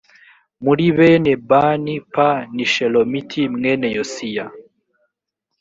muri bene bani p ni shelomiti mwene yosi ya